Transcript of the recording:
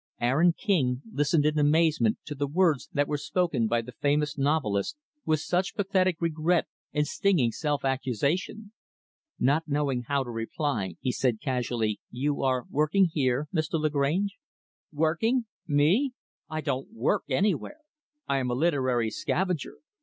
Aaron King listened in amazement to the words that were spoken by the famous novelist with such pathetic regret and stinging self accusation. Not knowing how to reply, he said casually, "You are working here, Mr. Lagrange?" "Working! Me? I don't work anywhere. I am a literary scavenger.